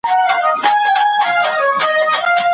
د حبیبي او د رشاد او بېنوا کلی دی